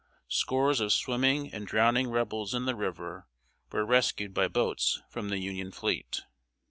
Scores of swimming and drowning Rebels in the river were rescued by boats from the Union fleet.